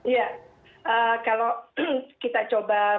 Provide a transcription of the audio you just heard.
ya kalau kita coba melihat dari situ